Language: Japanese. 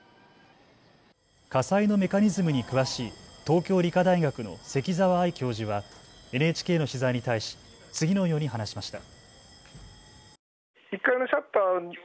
火災のメカニズムに詳しい東京理科大学の関澤愛教授はＮＨＫの取材に対し次のように話しました。